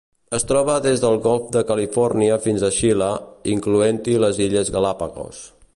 Es troba des del Golf de Califòrnia fins a Xile, incloent-hi les Illes Galápagos.